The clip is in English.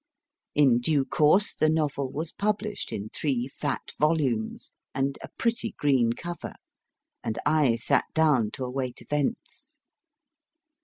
In due course the novel was published in three fat volumes, and a pretty green cover, and I sat down to await events.